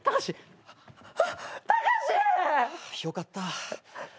よかった。